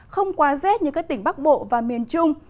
không quá rét như các tỉnh bắc bộ và miền trung